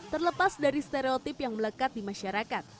terlepas dari stereotip yang melekat di masyarakat